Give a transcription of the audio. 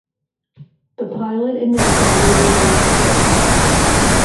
The pilot and navigator were both killed.